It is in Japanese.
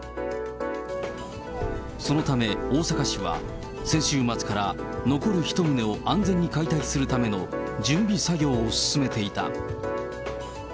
そのため、大阪市は、先週末から、残る１棟を安全に解体するための準備作業を進めていた。